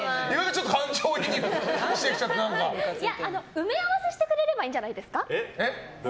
埋め合わせしてくれればいいんじゃないですか。